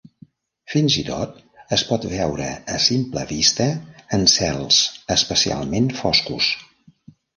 Fins i tot es pot veure a simple vista en cels especialment foscos.